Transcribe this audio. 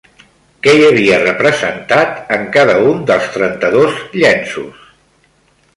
Què hi havia representat en cada un dels trenta-dos llenços?